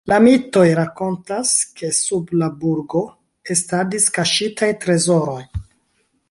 La mitoj rakontas, ke sub la burgo estadis kaŝitaj trezoroj.